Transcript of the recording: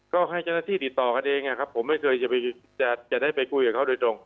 ก็ให้เจ้าหน้าที่ติดต่อกันเองครับผมไม่เคยจะได้ไปคุยกับเขาโดยตรง